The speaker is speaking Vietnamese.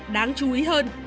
đáng chú ý hơn